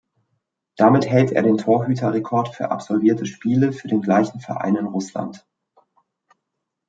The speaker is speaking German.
Damit hält er den Torhüter-Rekord für absolvierte Spiele für den gleichen Verein in Russland.